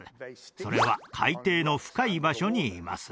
それは海底の深い場所にいます